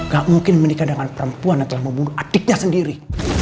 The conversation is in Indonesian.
gak mungkin menikah dengan perempuan yang telah membunuh adiknya sendiri